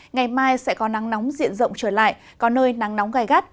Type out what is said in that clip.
ngày mai sẽ có nắng nóng diện rộng trở lại có nơi nắng nóng gai gắt